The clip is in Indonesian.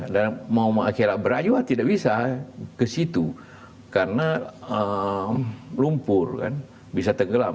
dan mau mengakhirat berat juga tidak bisa kesitu karena lumpur kan bisa tergelam